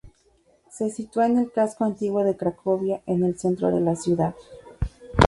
Se sitúa en el casco antiguo de Cracovia, en el centro de la ciudad.